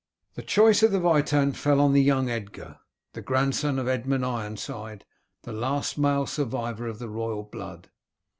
The choice of the Witan fell on the young Edgar, the grandson of Edmund Ironside, the last male survivor of the royal blood.